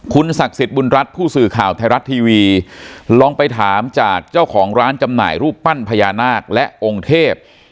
คุณศักดิ์สิทธิ์บุญรัฐผู้สื่อข่าวไทยรัฐทีวีลองไปถามจากเจ้าของร้านจำหน่ายรูปปั้นพญานาคและองค์เทพ